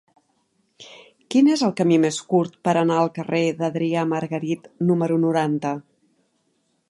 Quin és el camí més curt per anar al carrer d'Adrià Margarit número noranta?